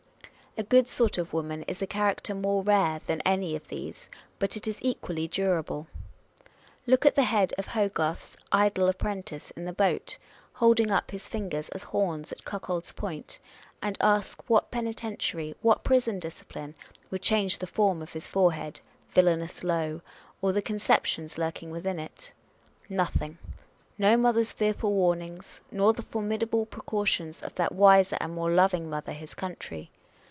A good sort of woman is a character more rare than any of these, but it is equally durable. Look at the head of Hogarth's Idle Apprentice in the boat, holding up his fingers as horns at Cuckold's Point, and ask what peniten tiary, what prison discipline, would change the form of his forehead, " villainous low," or the conceptions lurking within it ? Nothing : â€" no mother's fearful warnings, â€" nor the formidable precautions of that wiser and more loving mother, his country